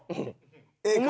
ええか？